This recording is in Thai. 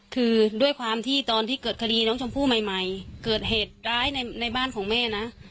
คือด้วยความที่ตอนที่เกิดคดีน้องชมพู่ใหม่เกิดเหตุร้ายในบ้านของแม่นะ